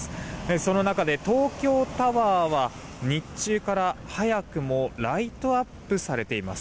その中で東京タワーは日中から早くもライトアップされています。